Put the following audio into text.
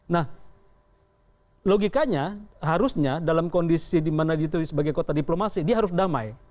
nah logikanya harusnya dalam kondisi dimana itu sebagai kota diplomasi dia harus damai